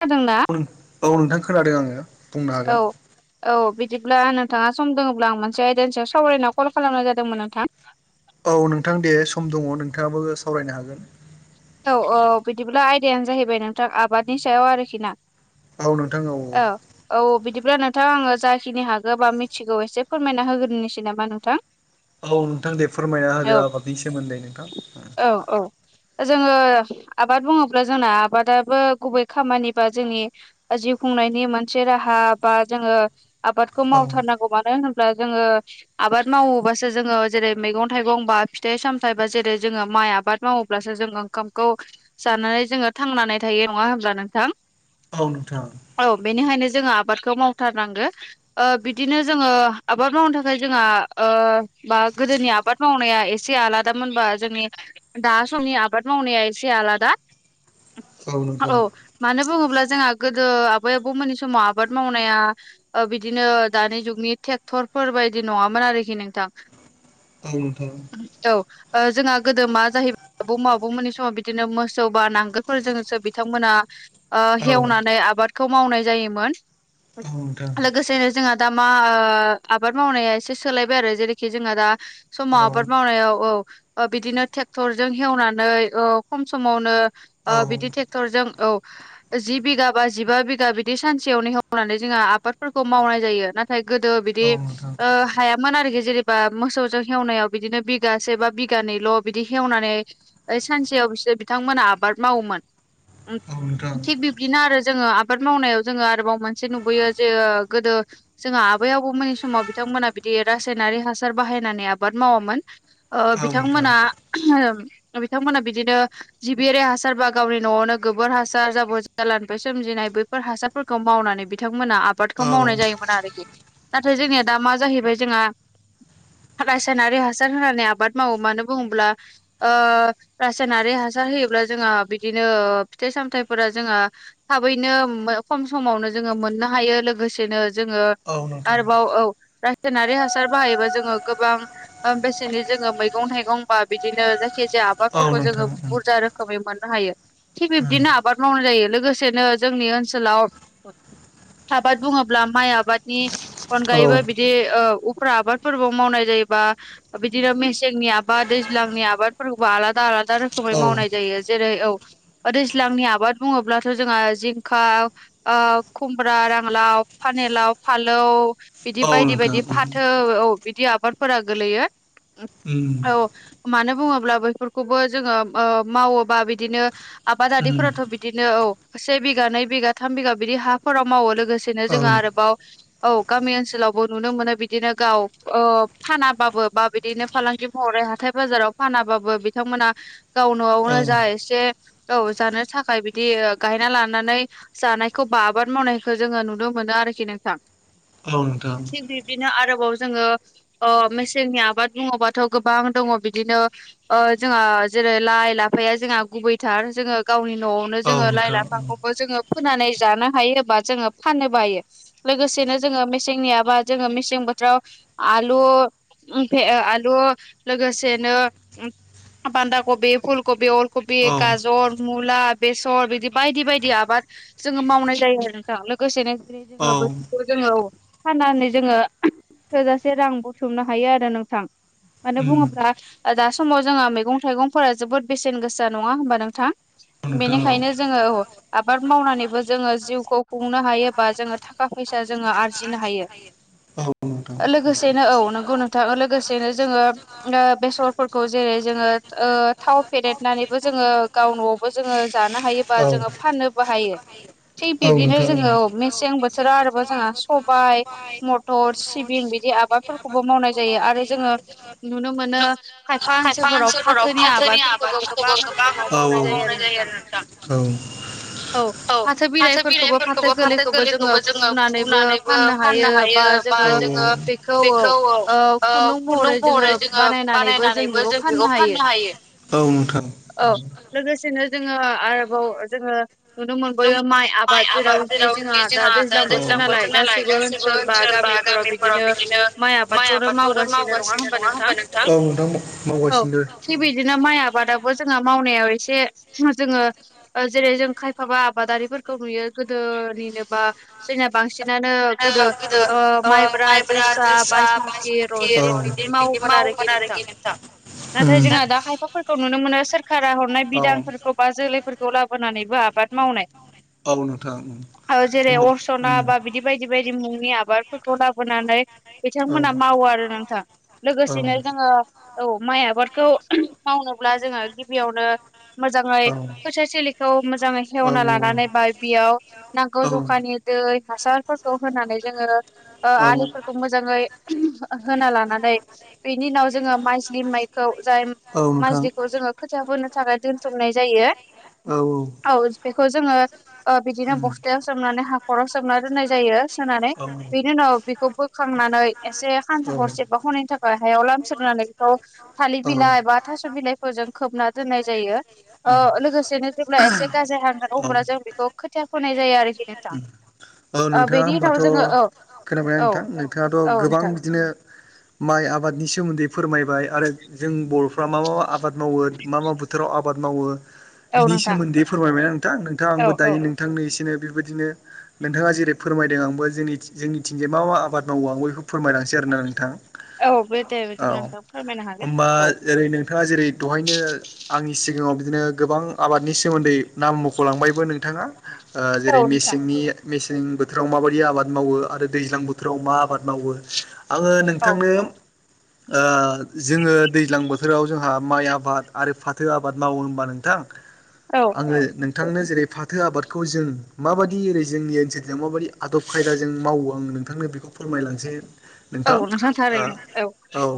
खोनादों ना? औ नोंथां खोनादो आङो। औ औ बिदिब्ला नोंथाङा सम दङ'ब्ला आं मोनसे आयदानि सआव सावरायनायाव कल खालामनाय जादोंमोन नोंथां। औ नोंथां दे सम दङ' नोंथाङाबो सावरायनो हागोन। औ औ बिदिब्ला आयदायानो जाहैबाय नोंथां आबादनि सायाव आरोखि ना। औ नोंथां औ औ बिदिब्ला नोंथां आङो जाखिनि हागो बा मिथिगौ एसे फोरमायना होग्रोनोसै नामा नोंथां? औ नोंथां दे फोरमायना होदो आबादनि सोमोन्दै नोंथां। औ औ जोङो आबाद बुङोब्ला जोंना आबादाबो गुबै खामानि बा जोंनि जिउ खुंनायनि मोनसे राहा बा जोङो आबादखौ मावथारनांगौ मानो होनोब्ला जोङो आबाद मावोबासो जोङो जेरै मैगं थाइगं बा फिथाइ सामथायाइ बा जेरै जोङो माइ आबाद मावोब अब्लासो जों ओंखामखौ जानानै जोङो थांनानै थायो नङा होमब्ला नोंथां औ नोंथां औ बेनिखायनो जोङो आबादखौ मावथारनांगो। ओ बिदिनो जोङो आबाद मावनो थाखाय जोंहा ओ बा गोदोनि आबाद [unintelligible] एसे आला दा मोनबा जोंनि दा समनि आबाद मावनाया एसे आलादा औ मानो बुङोब्ला जोंहा गोदो आबै आबौमोननि समाव आबाद मावनाया ओ बिदिनो दानि जुगनि ट्रेक्टरफोर बायदि नङामोन आरोखि नोंथां औ नोंथां औ औ जोंहा गोदो मा जाहैबाय बबहुमा आ बबौमोननि समाव बिदिनो मोसौ बा नांगोलफोरजोंसो बिथांमोना ओ हेवनानै आबादखौ मावनाय जायोमोन लोगोसेनो जोंहा दा मा ओ आबाद मावनाया एसे सोलायबाय आरो जेरैखि जोंहा दा समाव आबाद मावनायाव औ बिदिनोे थेगटर ट्रेक्टरजों हेवनानै ओखम समावनो बिदि ट्रेक्टरजों औ जि बिघा बा जिबा बिगा बिदि सानसेयाव ने हवनानै जोंहा आबादफोरखौ मावनाय जायो नाथाय गोदो बिदि ओ हायामोन आरोखि जेनेबा मोसौजों खेवनायाव बिदिनो बिगासे बा बिगानैल' बि बिदि हेवनानै ओ सानसेयाव बिसोर बिथांमोनहा आबाद मावोमोन थिग बिब्दिनो आरो जोङो आबाद मावनायाव जोङो आरोबाव मोनसे नुबोयो जे ओ गोदो जोंहा आबै आबौमोननि समाव बिथांमोनहा बिदि रासायनारि हासार बाहायनानै आबाद मावामोन ओ बिथांमोना बिथांमोना बिदिनो जिबिरि हासार बा गावनि न'आवनो गोबोर हासार जाबो जलानिफ्राय सोमजिनायबो फोर हासारफोरखौ मावनानै बिथांमोना आबादखौ मावनाय जायोमोन आरोखि नाथाय जोंनिया दा मा जाहैबाय जोंहा रसायनारि हासार होनानै आबाद मावो मानो बुङोब्ला ओ रासायनारि हासार होयोब्ला जोंहा बिदिनो फिथाइ सामथायाइफोरा जोंहा थाबैनो खम समावनो जोङो मोननो हायो लोगोसेनो जोङो आरोबाव औ रासायनारि हासार बाहायोबा जोङो गोबां बेसेनि जोङो मैगं थाइगं बा बिदिनो जायखि जाया आबादफोरखौ जोङो बुरजा रोखोमै मोननो हायो थिग बिब्दिनो आ बाद मावनाय जायो लोगोसेनो जोंनि ओनसोलाव आबाद बुङोब्ला माइ आबाद नि अनगायैबो बि दि ओ उफ्रा आबादफोरबो मावनाय जायोबा बिदिनो मेसेंनि आबाद दैज्लांनि आबादफोरखौबो आलादा -आलादा रोखोमै मावनाय जायो जेरै औ। दैज्लांनि आबाद बुङोब्लाथ' जोंहा जिंखा ओ खुमब्रा, रांलाव, फानेलााव, फालौ बिदि बायदि -बायदि फाथो औ बिदि आबादफोरा गोलैयो औ। मानो बुङोब्ला बैफोरखौबो जोङो मावोबा बिदिनो आबादारिफोराथ' बिदिनो औ। से बिघा नै बिघा थाम बिघा बिदि हाफोराव मावो लोगोसेनो जोङो आरोबाव औ गामि ओनसोलावबो नुनो मोनो बिदिनो गाव फानाबाबो बा बिदिनो फालांगि महरै हाथाय बाजाराव फानाबाबो बिथांमोना गाव न'आवनो जा एसे औ जानो थाखाय बिदि गायना लानानै जानायखौ बा आबाद मावनायखौ जोङो नुनो मोनो आरोखि नोंथां। थिग बिब बिदिनो आरोबाव जोङो मेसेंनि आबाद बुङोबाथ' गोबां दङ। बिदिनो ओ जोंहा जेरै लाइ लाफाया जोंहा गुबैथार जोङो गावनि न'आव नो जोङो लाइ लाफांखौबो जोङो फोननानै जानो हायो बा जोङो फाननो बायो। लोगोसेनो जोङो मेसेंनियाबा जोङो मेसें बोथोराव आलु आलु लोगोसे लोगोसेनो बान्दा कबि, फुलकबि, अल कबि, गाजर मुला बेसर बिदि बायदि बायदि आबाद जोङो मावनाय जायो आरो। लोगोसेनो [unintelligible] जोङो ओ फाननानै जोङो थोजासे रां बुथुमनो हायो आरो नोंथां। मानो बुङोब्ला दा समाव जोंहा मैगं थाइगंफोरा जोबोद बेसेन गोसा नङा होमबा नोंथां। बेनिखायनो जोङो औ आबाद मावनानैबो जोङो जिउखौ खुंनो हायोबा जोङो बा थाखा फैसा जोङो आरजिनो हायो। औ नोंथां लोगोसेनो जोङो [unintelligible] बेसरफोरखौ जेरै जोङो ओ थाव फेरेदनानैबो जोङो गाव न'आवबो जोङो जानो हायो। बा जोङो फाननोबो हायो। थिग बिब्दिनो जोङो मेसें बोथोराव आरोबाव जोंहा सबाय मटर, सिबिं बिदि आबादफोरखौबो मावनाय जायो आरो जोङो नुनो मोनो। खायफा [unintelligible] ओनसोल फाथोनि आबाद मावनाय जायो आरो। औ फाथो बिलाइफोरखौबो फाथो गोरलैखौबो जोङो फुनानैबो फाननो हायो। बा जोङो बेखौ ओ खुन्दुं महरै जोङो बानायनानैबो जों बेखौ फाननो हायो औ नोंथां। औ लोगोसेनो जोङो आरोबाव जोङो नुनो मोनबोयो माइ आबाद। जेरावखि जोंहा दा दैज्लां बोथोर नालाय गासैबो ओनसोल बा गामिफोराव बिदिनो माइ आ आबादखौनो मावगासिनो नङा होमबा नोंथां। औ नोंथां। औ थिग बिदिनो माइ आबादाबो जोंहा मावनायाव एसे जोङो जेरै जों खायफाबा आबादारिफोरखौ नुयो गोदोनिनोबा जों बांसिनानो गोदो ओ माइब्रा, जोसा, बायसुमुति, रनजित बिदि। बि मावोमोन आरोखि नोंथां नाथाय जोंहा दा खायफा फोरखौ नुनो मोनो सोरखारा हरनाय बिदानफोरखौ बा जोलैफोरखौ लाबोनानैबो आबाद मावनाय। जेरै अरसना बा बिदि बायदि बायदि मुंनि आबादफोरखौ लाबोनानै बिथांमोना मावो आरो नोंथां लोगोसेनो औ माइ आबादखौ मावनोब्ला जोङो गिबियावनो मोजाङै [unintelligible] लिखौ मोजाङै हेवना लानानै बा बेयाव नांगौ जखानि दै हासारफोरखौ होनानै जोङो ओ आलुफोरखौ खौ मोजाङै होना लानानै बेनि उनाव जोङो मायजलि माइखौ जाय मायजलिखौ जोङो फोजाब होनो थाखाय दोनथुमनाय जायो औ बेखौ जोङो ओ बिदिनो बस्थालायाव सोमनानै हाखराव सोमना दोननाय जायो सोनानै बेनि उनाव बेखौ बोखांनानै एसे खानथा हरसेबा हरनायनि था हायाव लाम सेरनानै बेखौ थालिर बिलाइ बा थास' बिलाइफोरजों खोबना दोननाय जायो। ओ लोगोसेनो जेब्ला एसे गाजाय होगोन अब्ला जों बेखौ खोथिफोनाय जायो आरोखि उम औ नोंथाङा होमबाथ' खोनाबायना नोंथां नोंथाङाथ' गोबां बिदिनो माइ आबादनि सोमोन्दै फोरमायबाय आरो जों बर'फ्रा मा मा मा आबाद मावो मा मा बोथोराव आ बाद मावो बिनि सोमोन्दै फोरमायबाय नोंथां नोंथां आंबो दायो नोंथांनो एसेनो बेबायदि दिनो नोंथाङा जेरै फोरमायदों आंबो जोंनि जोंनिथिंजाय मा मा आबाद मावो आं बेखौ फोरमायलांनोसै आरो ना नोंथां औ होनबा जेरै नोंथाङा जेरै दहायनो आंनि सिगाङाव बिदिनो गोबां आबादनि सोमोन्दै नाम मख'लांबायबो नोंथाङा जेरै मेसेंनि मेसें बोथोराव माबायदि आबाद मावो आरो दैज्लां बोथोराव मा आबाद मावो। आङो नोंथांनो ओ जोङो दैज्लां बोथोराव जोंहा माइ आबाद आरो फाथो आबाद मावो होनबा नोंथां। [inaudible] औ। आङो नोंथांनो जेरै फाथो आबादखौ जों माबायदि रे जोंनि ओनसोलजों माबादि आदब खायदाजों मावो आं नोंथांनो बेखौ फोरमायलांसै। नोंथां ओ औ।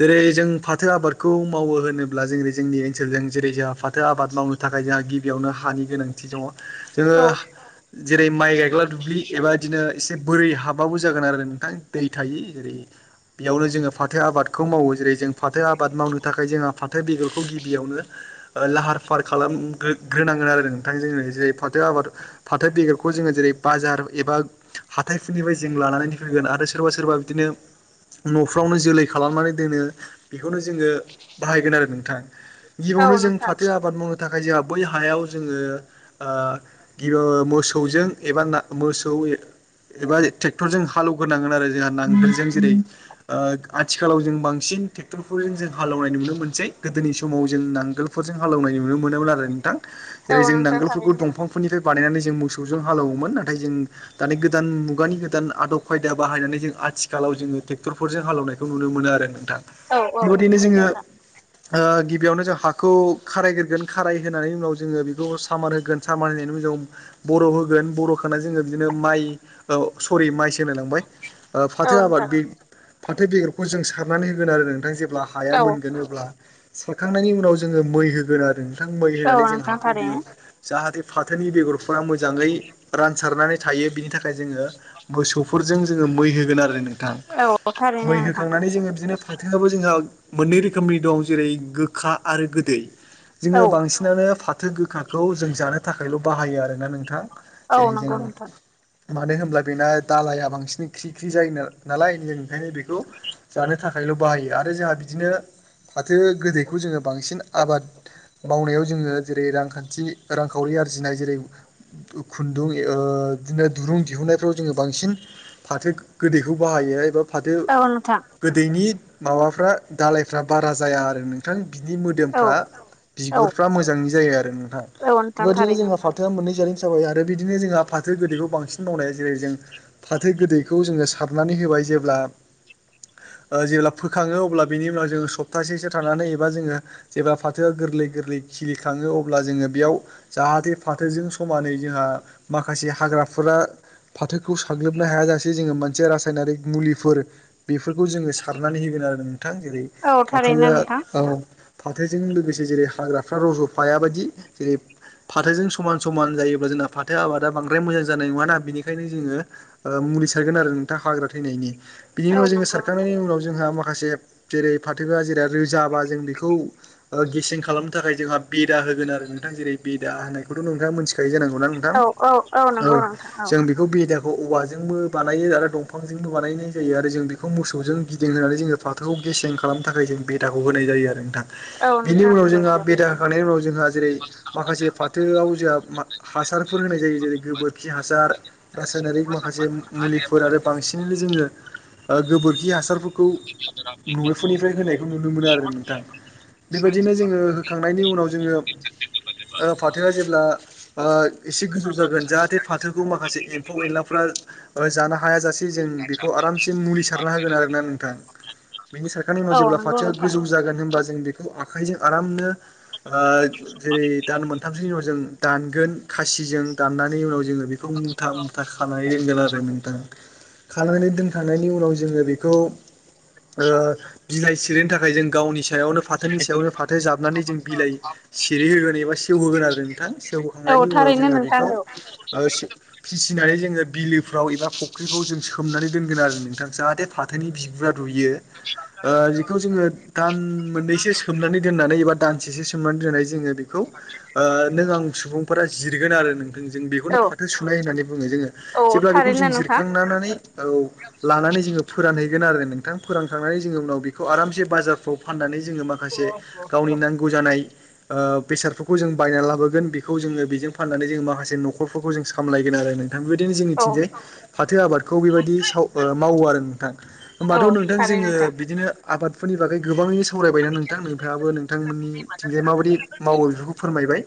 जेरै जों फाथो आबादखौ मावो होनोब्ला जों जोंनि ओनसोलजों जेरै जोंहा फा दो आबाद मावनो थाखाय जोंहा गिबियावनो हानि गोनांथि दङ जोङो जेरै माइ गायग्रा दुब्लि एबा इदिनो एसे बोरि हाबाबो जागोन आरो नोंथां दै थायि जेरै बेयावनो जोङो फाथो आबादखौ मावो जेरै जों फाथो आबाद मावनो थाखाय जोंहा फाथो बेगरखौ गिबियावनो लाहार फाहार खालामग्रोग्रोनांगोन आरो नोंथांजों जै फाथो आबाद। फाथो बेगरखौ जोङो जेरै बाजार एबा हाथाइफोरनिफ्राय जों लानानै फैगोन आरो सोरबा सोरबा बिदिनो न'फ्रावनो जोलै खालामनानै दोनो बेखौनो जोङो बाहायगोन आरो नोंथां। गियावनो जों फाथो आबाद मावनो थाखाय जोंहा बै हायाव जोङो आ गिबि मोसौजों एबा ना मोसौ एबा ट्रेक्टर जों हालौग्रोनांगोन आरो जोंहा नांगोलजों जेरै ओ आथिखालाव जों बांसिन ट्रेक्टरफोरजों जों हालेवनाय नुनो मोनसै गोदोनि समाव जों नांगोल फोरजों हालेवनाय नुनो मोनोमोन आरो नोंथां जेरै जों नांगोलफोरखौ दंफांफोरनिफ्राय बानायनानै जों मोसौजों हालौवोमोन नाथाय जों दानि गोदान मुगानि गोदान आदब खायदा बाहायनानै जों आथिखालाव जोङो ट्रेक्टरफोरजों हालौनाय नुनो मोनो आरो नोंथा बेबायदिनो जोङो ओ गिबियावनो जों हाखौ खारायग्रोगोन खाराय होनानै उनाव जोङो बेखौ सामार होगोन सामार होनायनि उनाव बर' होगोन बर'होनाय जोङो बिदिनो माइ ओ सरि माइ सो होनलाय लांबाय। ओ फाथो आबाद बे फाथो बेगरखौ जों सारनानै होगोन आरो नोंथां जेब्ला हाया मोनगोन अब्ला सारखांनायनि उनाव जोङो मै होगोन आरो थां मै होनानै जों हाखौ बियो जाहाथे फाथोनि बेगरफ्रा मोजाङै रानसारनानै थायो बिनि थाखाय जोङो मोसौफोरजों जोङो मै होगोन आरो नों थां मै होखांनानै जों बिदिनो फाथोआबो जोंहा मोननै रोखोमनि दं जेरै गोखा आरो गोदै जोङो बांसिन नोनो फाथो गोखाखौ जों जानो थाखायल' बाहायो आरोना नोंथां जेरै जों मानो होनब्ला बेना दालाया बांसिन ख्रि ख्रि जायो नालाय ओंखायनो बेखौ जानो थाखायल' बाहायो आरो जोंहा बिदिनो फाथो गोदैखौ जोङो बांसिन आबाद मावनायाव जोङो जेरै रांखान्थि रांखावरि आरजिनाय जेरै खुन्दुं बिदिनो दुरुं दिहुननायफ्राव जोङो बांसिन फाथो गोदैखौ बाहायो एबा। फाथो गोदैनि माबाफ्रा दालायफ्रा बारा जाया आरो नोंथां। नोंथां बिनि मोदोमफ्रा बिगुरफ्रा मोजांङै जायो आरो नोंथाङा बेबायदिनो जोंहा फाल फा मोननै जारिम जाबाय आरो बिदिनो जोंहा फाथो गोदैखौ बांसिन मावनाय जेरै जों फाथो गोदैखौ जोङो सारनानै होबाय जेब्ला जेब्ला फोखाङो अब्ला बिनि उनाव जोङो सप्तासेसो थानानै एबा जोङो जेब्ला फाथोआ गोरलै गोरलै खिलिखाङो अब्ला जोङो बेयाव जाहाथे फाथोजों समानै जोंहा माखासे हाग्राफोरा फाथोखौ साग्लोबनो हायाजासे जोङो मोनसे रासायनारिक मुलिफोर बेफोरखौ जोङो सारनानै होगोन आरो नोंथां जेरै फाथोआ औ फाथोजों लोगोसे जेरै हाग्राफ्रा रज'फाया बाइदि जेरै फाथोजों समान समान जायोब्ला जोंना फाथो आबादा बांद्राय मोजां जानाय नङाना बेनिखायनो जोङो मुलि सारगोन आरो नोंथाङा हाग्रा थैनायनि बिनि उनाव जोङो सारखांनायनि उनाव जोंहा माखासे जेरै फाथोफ जेरै रोजाबा जों बेखौ गेसें खालामनो थाखाय जोंहा बेदा होगोन आरो नोंथां जेरै बेदा होनायखौथ' नोंथाङा मिथिखायो जानांगौ न औ औ-औ नंगौ नोंथां औ बेखौ बेदाखौ औवाजोंबो बानायो आरो दंफांजोंबो बानायनाय जायो आरो जों बेखौ मोसौजों गिदिं होनानै जोङो फाख फाथौखौ गेसें खालामनो थाखाय जों बेदाखौ होनाय जायो आरो नोंथां बिनि उनाव जोंहा बेदा होखांनायनि उनाव जोंहा जेरै माखासे फाथोआव जों हासारफोर होनाय जायो जेरै गोबोरखि हासार रासायनारिक माखासे मुलिफोर आरो बांसिनैनो जोङो गोबोरखि हासार खौ नफोरनिफ्राय होनायखौ नुनो मोनो आरो नोंथां बेबायदिनो जोङो होखांनायनि उनाव जोङो फाथोआ जेब्ला एसे गोजौ जागोन जाहाथे फाथोखौ माखासे एम्फौ एनलाफ्रा जानो हायाजासे जों बेखौ आरामसेम मुलि सारना होगोन आरो ना नोंथां बेनि साखारनि उनाव जेब्ला फाथोया गोजौ फु जागोन होनबा जों बेखौ आखाइजों आरामनो जेरै दान मोनथामसोनि उनाव जों दानगोन खासिजों दाननानै उनाव जोङो बेखौ मुथा मुथा खानानै दोनगोन आरो नोंथां खानानै दोनखांनायनि उनाव जोङो बेखौ ओ बिलाइ सिरिनो थाखाय जों गावनि सायावनो फाथोनि सायावनो फाथो जाबनानै जों बिलाइ सिरि होगोन एबा सेवहोगोन आरो नोंथां जौगाखांनायनि उनाव जोङो बेखौ फिसिनानै जोङो बिलोफ्राव एबा फुख्रिफ्राव जो सोमनानै दोनगोन आरो नोंथां जाहाथे फाथोनि बिगुआ रुइयो ओ बिखौ जोङो दान मोननैसो सोमनानै नानै बा दनसे सोमनानै दोनो बेखौ ओ सुबुंफोरा जिरगोन आरो नोंथां जों बेखौनो फाथो सुनाय होननानै बुङो जोङो जेब्ला बेखौ जों जिरखांनानै औ लानानै जोङो फोरानहैगोन आरो नोंथां फोरानखांनानै जोङो उनाव बेखौ आरामसे बाजारफ्राव फाननानै जोङो मा माखासे गावनि नांगौ जानाय आ बेसादफोरखौ जों बायनानै लाबोगोन बे खौ जोङो बेजों फाननानै जोङो माखासे न'खरफोरखौ जों सामलायगोन आरो नोंथां बेबायदिनो जोंनि थिंजाय फाथो आबादखौ बेबायदि साव मावो आरो नोंथां होम्बाथ' नोंथां जोङो बिदिनो आबादफोरनि बागै गोबाङैनो स सावरायबायना नोंथां नफ्राबो नोंथांमोननिथिंजाय माबायदि मावो बेफोरखौ फोरमायबाय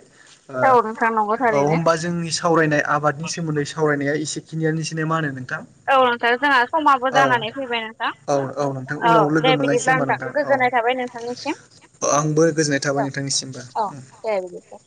औ होनबा जोंनि सावरायनाय आबादनि सोमोन्दै सावरायनाया एसेखिनियानोसै मा होनो नोंथां औ नोंथां जोंहा समाबो जानानै फैबाय नोंथां औ दे बिदिब्ला नोंथां गोजोननाय थाबाय नोंथां निसिम औ औ दे बिदिब्ला